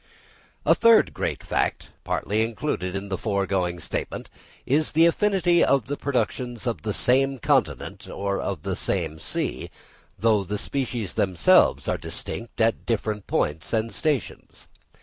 A third great fact, partly included in the foregoing statement, is the affinity of the productions of the same continent or of the same sea, though the species themselves are distinct at different points and stations.